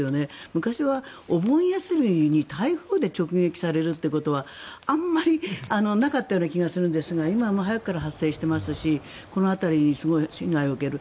昔はお盆休みに台風で直撃されるということはあまりなかったような気がするんですが今は早くから発生していますしこの辺りにすごい被害を受ける。